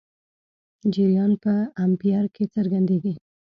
جریان په امپیر کې څرګندېږي.